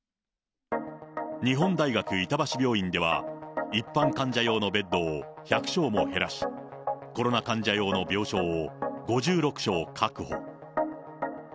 日本大学板橋病院では、一般患者用のベッドを１００床も減らし、コロナ患者用の病床を５６床確保。